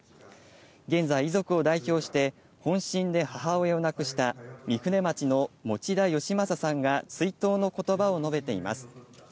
現在、遺族を代表して本震で母親を亡くした御船町の持田佳征さんが追悼の言葉を述べています。